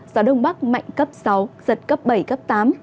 gió đông bắc mạnh cấp sáu giật cấp bảy cấp tám